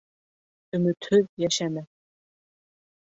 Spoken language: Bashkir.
Өмөтһөҙ йәшәмәҫ.